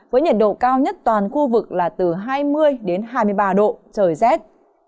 với nhiệt độ cao nhất toàn khu vực là từ hai mươi đến hai mươi ba độ trời rét